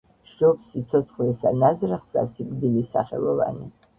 სჯობს სიცოცხლესა ნაზრახსა სიკვდილი სახელოვანი.